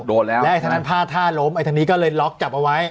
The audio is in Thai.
โดนแล้วแรกทางนั้นพลาดท่าล้มไอทางนี้ก็เลยล็อกจับเอาไว้